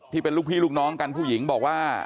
ที่เป็นลูกพี่ลูกน้องกันผู้หญิงบอกว่า